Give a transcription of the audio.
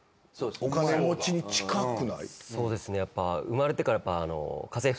そうですね生まれてからやっぱ。